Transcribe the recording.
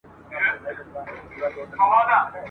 لوی او کم نارې وهلې په خنداوه ..